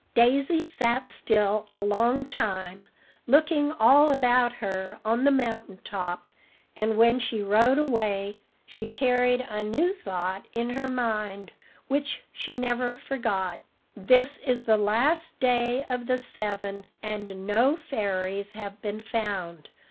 Daisy sat still a long time, looking all about her on the mountain top; and, when she rode away, she carried a new thought in her mind, which she never forgot. "This is the last day of the seven, and no fairies have been found.